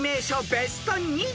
ベスト２０］